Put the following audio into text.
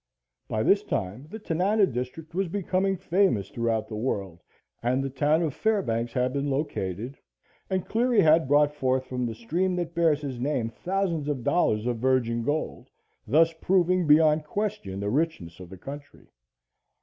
By this time the Tanana District was becoming famous throughout the world and the town of Fairbanks had been located and Cleary had brought forth from the stream that bears his name thousands of dollars of virgin gold, thus proving beyond question the richness of the country.